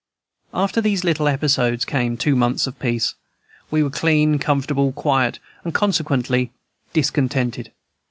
After these little episodes came two months of peace. We were clean, comfortable, quiet, and consequently discontented.